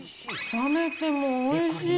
冷めてもおいしい。